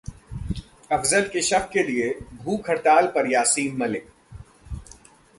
अफजल के शव के लिए भूख हड़ताल पर यासीन मलिक